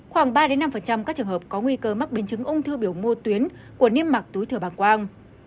khoảng ba năm các trường hợp có nguy cơ mắc biến chứng ung thư biểu mô tuyến của niêm mạc túi thừa bàng quang